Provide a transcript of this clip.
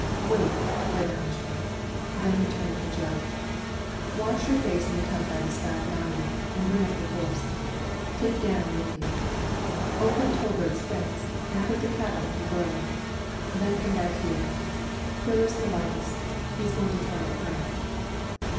"Wait!" cried the hunchback. Then he turned to Jud. "Wash your face in the tub by the spout yonder, an' bring up your horse. Take Danel with you. Open Tolbert's fence an' put the cattle in the grove. Then come back here. Quiller's the lightest; he's goin' to try the current."